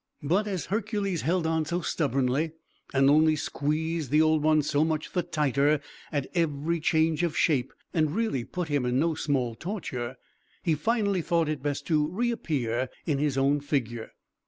But, as Hercules held on so stubbornly, and only squeezed the Old One so much the tighter at every change of shape, and really put him to no small torture, he finally thought it best to reappear in his own figure.